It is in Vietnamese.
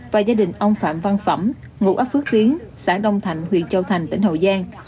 và gia đình ông phạm văn phẩm ngụ ấp phước tiến xã đông thạnh huyện châu thành tỉnh hậu giang